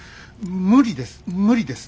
無理です無理です